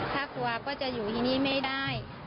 ถ้ากลัวก็จะอยู่ที่นี่ไม่ได้